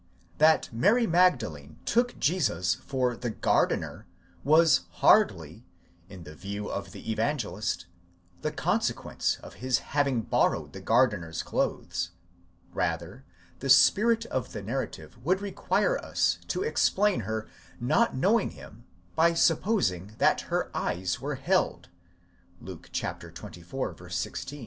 That Mary Magdalene took Jesus for the gardener, was hardly, in the view of the Evangelist, the consequence of his having borrowed the gardener's clothes: rather, the spirit of the narrative would require us to explain her not knowing him by supposing that her eyes were held (κρατεῖσθαι, Luke xxiv.